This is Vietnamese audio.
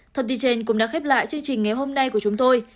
thông tin trên cũng đã khép lại chương trình ngày hôm nay của chúng tôi